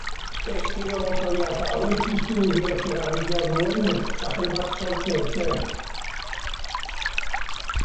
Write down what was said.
Estilo dotorea eta ukitu dibertigarria duen txapel bat sortu dute.